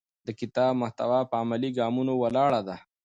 د کتاب محتوا په عملي ګامونو ولاړه ده.